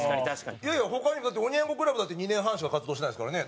いやいや他にもおニャン子クラブだって２年半しか活動してないですからね。